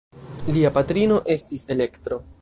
Lia patrino estis Elektro.